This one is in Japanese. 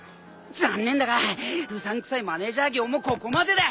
残念だがうさんくさいマネジャー業もここまでだ。